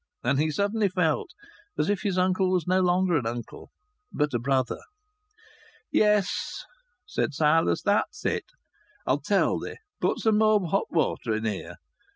And he suddenly felt as if his uncle was no longer an uncle but a brother. "Yes," said Silas. "That's it. I'll tell thee. Pour some more hot water in here.